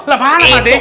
lah mana pak de